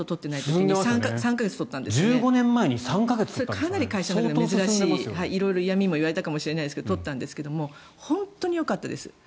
かなり嫌味を言われたかもしれないんですが取ったんですが本当によかったです。